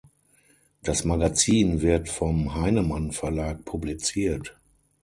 Das Magazin wird vom Heinemann Verlag publiziert.